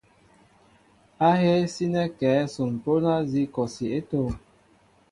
Ahéé sínέ kɛέ son póndá nzi kɔsi é tóóm ?